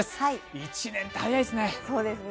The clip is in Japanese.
１年って早いですね。